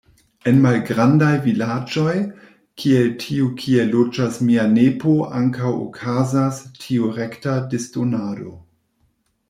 En malgrandaj vilaĝoj, kiel tiu kie loĝas mia nepo ankaŭ okazas tiu rekta disdonado.